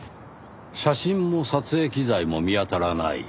写真も撮影機材も見当たらない？